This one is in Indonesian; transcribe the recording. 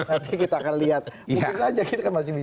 nanti kita akan lihat mungkin saja kita masih bisa